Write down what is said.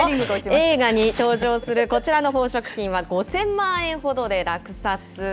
映画に登場するこちらの宝飾品は５０００万円ほどで落札。